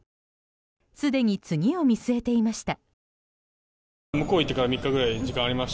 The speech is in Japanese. すでに次を見据えていました。